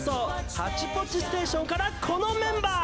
「ハッチポッチステーション」から、このメンバー！